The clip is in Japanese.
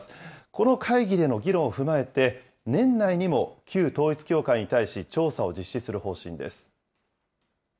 この会議での議論を踏まえて、年内にも旧統一教会に対し調査を実施する方針です。